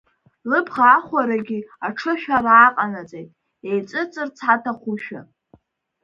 Лыбӷа ахәарагьы аҽышәара ааҟанаҵеит, еиҵыҵырц аҭахушәа.